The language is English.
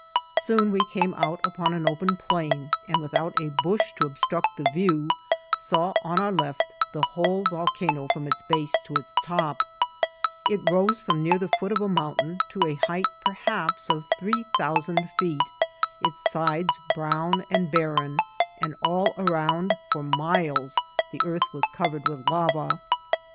Soon we came out upon an <^>en plain, and without a bush to obstruct the view, saw on our left die whcde volcano frcmi its base to its top* 1^ rose firom near the foot of a mountain, to a hesght peAaps of three thousand feet, its ades brown and barren, and all around for miles the earth was covered with lava.